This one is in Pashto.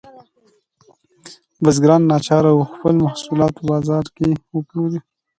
بزګران ناچاره وو خپل محصولات په بازار کې وپلوري.